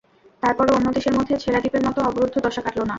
তারপরও অন্য দেশের মধ্যে ছেঁড়া দ্বীপের মতো অবরুদ্ধ দশা কাটল না।